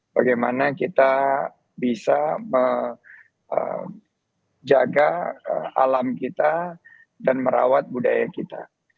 bagaimana kita bisa menjaga alam kita dan merawat budaya kita